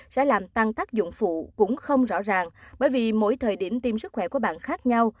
sẽ làm tăng tác dụng phụ cũng không rõ ràng bởi vì mỗi thời điểm tiêm sức khỏe của bạn khác nhau